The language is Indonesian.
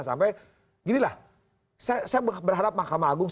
saya berharap mahkamah agung